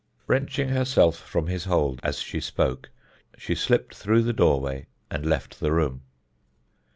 Wrenching herself from his hold as she spoke, she slipped through the doorway and left the room.